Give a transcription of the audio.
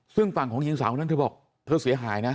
ซึ่งฝั่งของหญิงสาวคนนั้นเธอบอกเธอเสียหายนะ